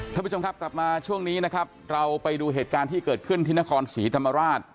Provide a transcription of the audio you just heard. ท่านผู้ชมครับกลับมาช่วงนี้นะครับเราไปดูเหตุการณ์ที่เกิดขึ้นที่นครศรีธรรมราช